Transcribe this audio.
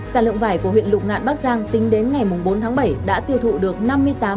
sản lượng vải của huyện lục ngạn bắc giang tính đến ngày bốn tháng bảy đã tiêu thụ được năm mươi tám năm trăm ba mươi chín tấn